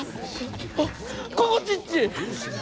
あっここちっち！